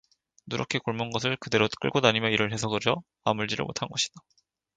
누렇게 곪은 것을 그대로 끌고다니며 일을 해서 그저 아물지를 못한 것이다.